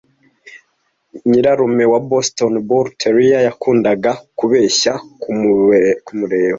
nyirarume wa Boston bull terrier yakundaga kubeshya kumureba